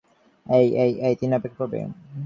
সেতু ধ্বংসের আদেশের জন্য অপেক্ষা করবে।